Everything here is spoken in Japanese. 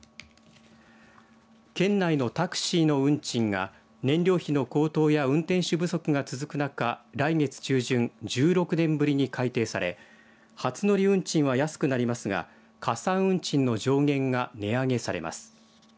県内のタクシーの運賃が燃料費の高騰や運転手不足が続く中来月中旬、１６年ぶりに改訂され初乗り運賃は安くなりますが加算運賃の上限が値上げされます。